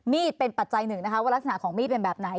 เป็นปัจจัยหนึ่งนะคะว่ารักษณะของมีดเป็นแบบไหน